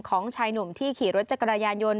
ของชายหนุ่มที่ขี่รถจักรยานยนต์